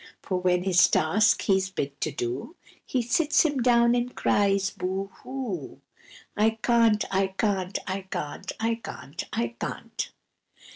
For when his task he's bid to do, He sits him down and cries, "Boo hoo! I can't! I can't! I can't! I can't! I can't!"